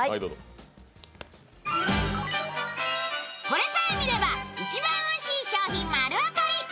これさえ見れば一番おいしい商品丸わかり。